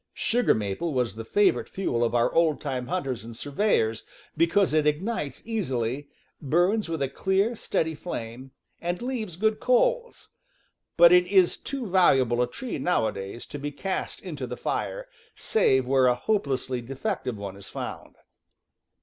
Sugar maple was the favorite fuel of our old time hunters and surveyors, because it ignites easily, burns with a clear, steady flame, and leaves good coals; but it is too valuable a tree, nowa days, to be cast into the fire, save where a hopelessly defective one is found.